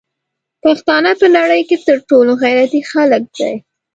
پښتانه په نړی کی تر ټولو غیرتی خلک دی